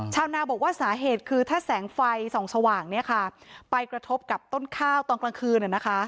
ชาวนาบอกว่าสาเหตุคือถ้าแสงไฟส่องสว่างไปกระทบกับต้นข้าวตอนกลางคืน